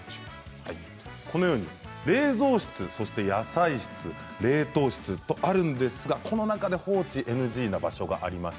冷蔵室、野菜室、冷凍室とあるんですがこの中で放置ＮＧな場所があります。